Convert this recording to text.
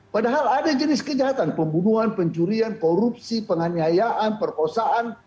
padahal ada jenis kejahatan pembunuhan pencurian korupsi penganiayaan perkosaan